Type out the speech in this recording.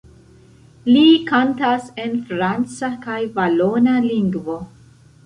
Li kantas en franca kaj valona lingvo.